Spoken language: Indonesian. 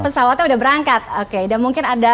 pesawatnya udah berangkat oke dan mungkin ada